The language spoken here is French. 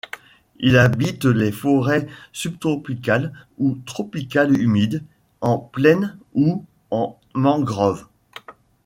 Il habite les forêts subtropicales ou tropicales humides, en plaine ou en mangrove.